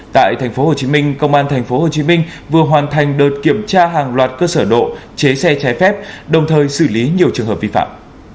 tại tp hcm công an tp hcm vừa hoàn thành đợt kiểm tra hàng loạt cơ sở độ chế xe trái phép đồng thời xử lý nhiều trường hợp vi phạm